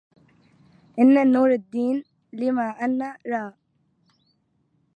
إن نور الدين لما أن رأى